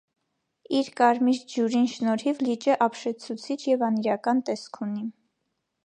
Իր կարմիր ջուրին շնորհիւ լիճը ապշեցուցիչ եւ անիրական տեսք ունի։